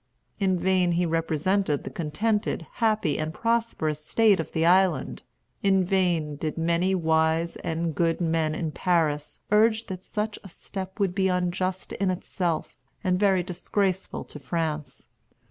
In vain he represented the contented, happy, and prosperous state of the island. In vain did many wise and good men in Paris urge that such a step would be unjust in itself and very disgraceful to France.